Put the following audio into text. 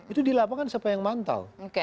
itu di lapangan siapa yang mantau